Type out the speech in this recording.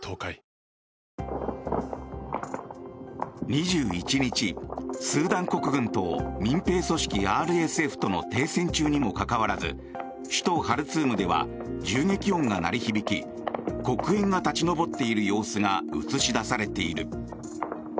２１日、スーダン国軍と民兵組織ＲＳＦとの停戦中にもかかわらず首都ハルツームでは銃撃音が鳴り響き黒煙が立ち上っている様子が映し出されている。